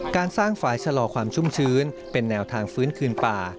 การสร้างฝ่ายชะลอความชุ่มชื้นเป็นแนวทางฟื้นคืนป่า